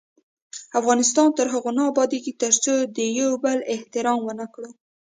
افغانستان تر هغو نه ابادیږي، ترڅو د یو بل احترام ونه کړو.